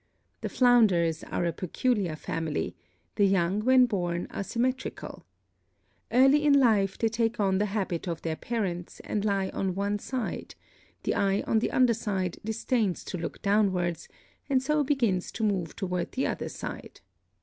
The flounders are a peculiar family, the young when born are symmetrical. Early in life they take on the habit of their parents and lie on one side, the eye on the underside disdains to look downwards and so begins to move toward the other side.